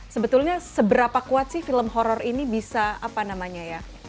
sebetulnya seberapa kuat sih film horror ini bisa apa namanya ya